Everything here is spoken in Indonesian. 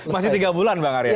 masih tiga bulan bang arya